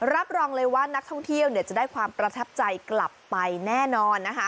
รับรองเลยว่านักท่องเที่ยวจะได้ความประทับใจกลับไปแน่นอนนะคะ